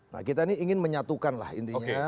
nah kita ini ingin menyatukan lah intinya